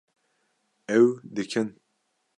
Ew dikin